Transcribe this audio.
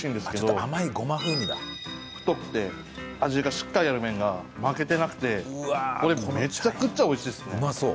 太くて味がしっかりある麺が負けてなくてこれめちゃくちゃ美味しいですね。